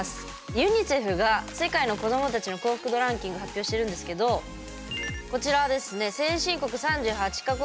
ユニセフが世界の子どもたちの幸福度ランキング発表してるんですけどこちらですね、先進国３８か国